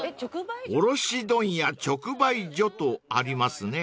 ［「卸問屋直売所」とありますね］